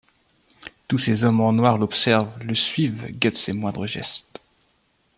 Tous ces hommes en noir l'observent, le suivent, guettent ses moindres gestes.